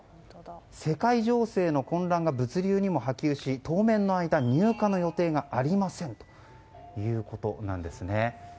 世界情勢の混乱が物流にも波及し当面の間、入荷の予定がありませんということなんですね。